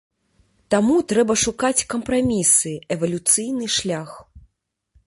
Таму трэба шукаць кампрамісы, эвалюцыйны шлях.